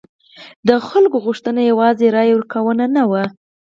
د خلکو غوښتنه یوازې رایه ورکونه نه وه.